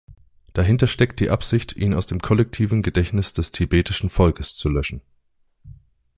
Dahinter steckt die Absicht, ihn aus dem kollektiven Gedächtnis des tibetischen Volkes zu löschen.